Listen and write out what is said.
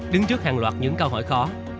đứng trước hàng loạt những câu hỏi khó